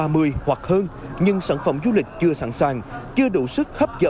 mà con ví dụ như là